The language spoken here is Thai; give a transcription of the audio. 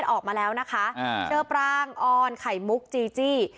ออกมาแล้วนะคะเจอปรางออนไข่มุกจีจี้